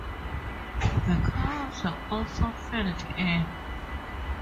The canals were also filled in.